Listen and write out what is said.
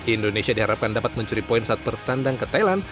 indonesia diharapkan dapat mencuri poin saat bertandang ke thailand